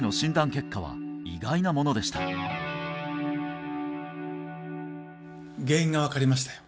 結果は意外なものでした原因が分かりましたよ